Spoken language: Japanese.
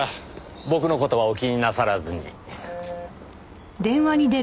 僕の事はお気になさらずに。